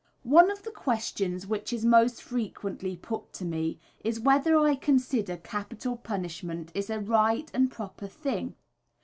One of the questions which is most frequently put to me is, whether I consider capital punishment is a right and proper thing.